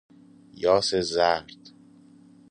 یاس زرد